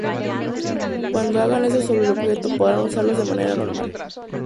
Cuando hagan esto sobre el objeto, podrán usarlos de manera normal.